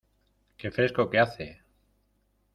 ¡Qué fresco que hace!